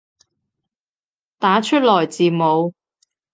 打出來字母